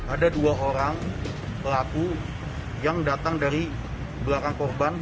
ada dua orang pelaku yang datang dari belakang korban